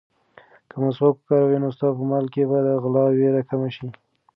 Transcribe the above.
که مسواک وکاروې، نو ستا په مال کې به د غلا وېره کمه شي.